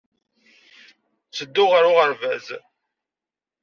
Ttedduɣ ɣer uɣerbaz.